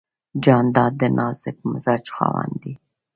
جانداد د نازک مزاج خاوند دی.